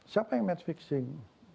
siapa yang match fixing